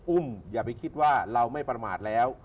อย่าไปคิดว่าเราไม่ประมาทแล้ว